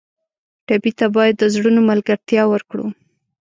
ټپي ته باید د زړونو ملګرتیا ورکړو.